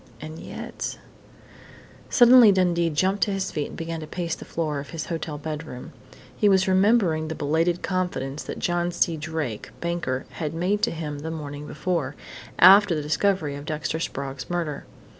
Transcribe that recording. And yet Suddenly Dundee jumped to his feet and began to pace the floor of his hotel bedroom. He was remembering the belated confidence that John C. Drake, banker, had made to him the morning before after the discovery of Dexter Sprague's murder.